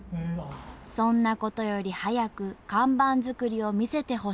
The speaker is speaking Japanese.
そんなことより早く看板作りを見せてほしい。